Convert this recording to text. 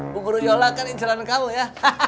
bu guru yola kan incelan kamu ya